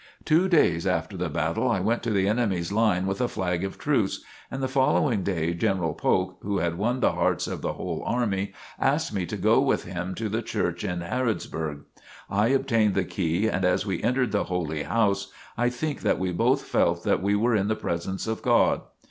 Two days after the battle I went to the enemy's line with a flag of truce. And the following day General Polk, (who had won the hearts of the whole army), asked me to go with him to the church in Harrodsburg. I obtained the key and as we entered the holy house, I think that we both felt that we were in the presence of God.